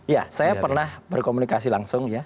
ya saya pernah berkomunikasi langsung ya